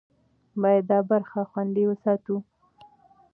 باید دا برخه خوندي وساتو.